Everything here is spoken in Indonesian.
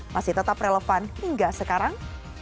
masih tetap relevan hingga sekarang